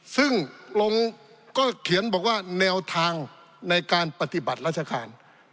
ซึ่งลงก็เขียนบอกว่าแนวทางในการปฏิบัติราชการ